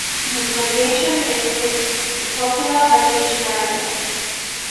This location makes it a popular vacation area.